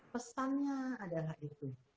pesannya adalah itu